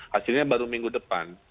hasilnya baru minggu depan